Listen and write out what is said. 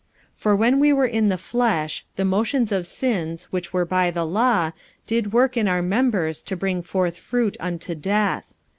45:007:005 For when we were in the flesh, the motions of sins, which were by the law, did work in our members to bring forth fruit unto death.